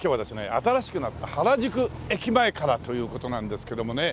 新しくなった原宿駅前からという事なんですけどもね